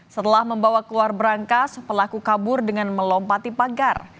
setelah membawa keluar berangkas pelaku kabur dengan melompati pagar